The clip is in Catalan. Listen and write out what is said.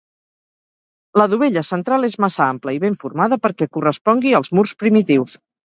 La dovella central és massa ampla i ben formada perquè correspongui als murs primitius.